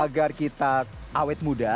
agar kita awet muda